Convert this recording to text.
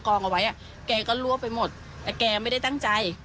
กองเอาไว้อ่ะแกก็ระว่งไปหมดแต่แกไม่ได้ตั้งใจอ่ะ